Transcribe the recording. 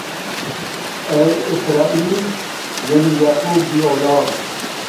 اے اسرائیل یعنی یعقوب دی اولاد: